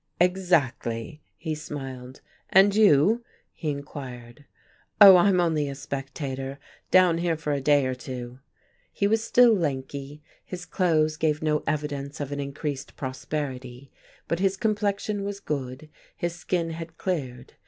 "Exactly." He smiled. "And you?" he inquired. "Oh, I'm only a spectator. Down here for a day or two." He was still lanky, his clothes gave no evidence of an increased prosperity, but his complexion was good, his skin had cleared.